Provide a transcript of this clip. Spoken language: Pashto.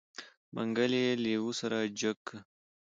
منګلی يې لېوه سره جګ که.